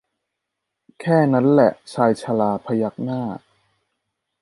แค่นั้นแหละชายชราพยักหน้า